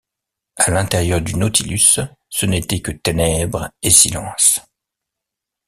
À l’intérieur du Nautilus, ce n’étaient que ténèbres et silence.